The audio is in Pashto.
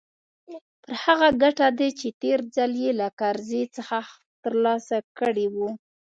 پر هغه ګټه ده چې تېر ځل يې له کرزي څخه ترلاسه کړې وه.